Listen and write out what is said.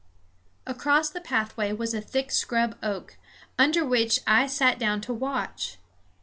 Across the pathway was a thick scrub oak, under which I sat down to watch.